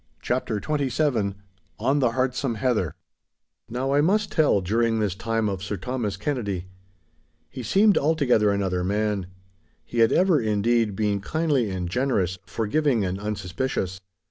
*CHAPTER XXVII* *ON THE HEARTSOME HEATHER* Now I must tell during this time of Sir Thomas Kennedy. He seemed altogether another man. He had ever, indeed, been kindly and generous, forgiving and unsuspicious.